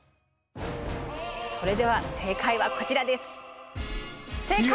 それでは正解はこちらです。